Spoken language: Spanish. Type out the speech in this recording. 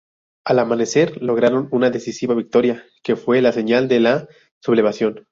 Al amanecer lograron una decisiva victoria, que fue la señal de la sublevación.